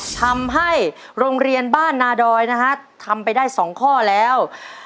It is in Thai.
ทำให้โรงเรียนบ้านนาดอยนะฮะทำไปได้๒ข้อแล้ว